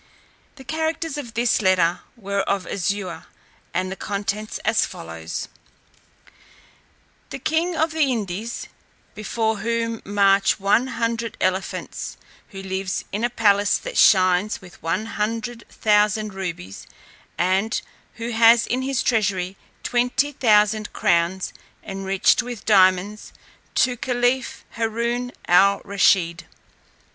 The characters of this letter were of azure, and the contents as follows: "The king of the Indies, before whom march one hundred elephants, who lives in a palace that shines with one hundred thousand rubies, and who has in his treasury twenty thousand crowns enriched with diamonds, to caliph Haroon al Rusheed.